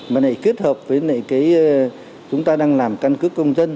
mà này kết hợp với cái chúng ta đang làm căn cứ công dân